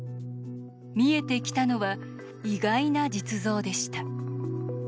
見えてきたのは意外な実像でした。